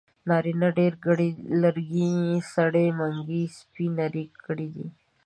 نارينه ډېرګړی ي لرګي سړي منګي سپي نري ګړندي